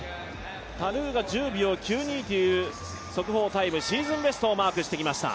タルーが１０秒９２という速報タイム、シーズンベストをマークしてきました。